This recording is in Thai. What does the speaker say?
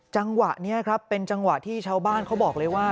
จังหวะนี้ครับเป็นจังหวะที่ชาวบ้านเขาบอกเลยว่า